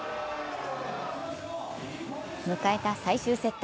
迎えた最終セット。